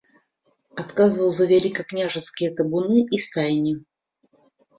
Адказваў за вялікакняжацкія табуны і стайні.